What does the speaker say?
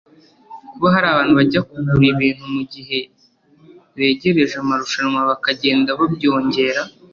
Kuba hari abantu bajya kugura ibintu mu gihe begereje amarushanwa bakagenda babyongera